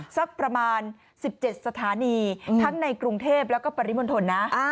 สักประมาณ๑๗สถานีทั้งในกรุงเทพแล้วก็ปริมณฑลนะ